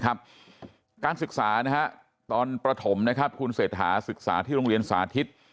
การศึกษาตอนประถมนะครับคุณเศรษฐาศึกษาที่โรงเรียนสาธิต